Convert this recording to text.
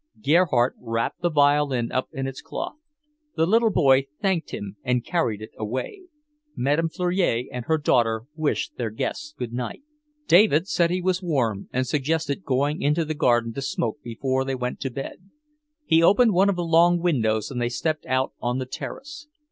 Gerhardt wrapped the violin up in its cloth. The little boy thanked him and carried it away. Madame Fleury and her daughter wished their guests goodnight. David said he was warm, and suggested going into the garden to smoke before they went to bed. He opened one of the long windows and they stepped out on the terrace.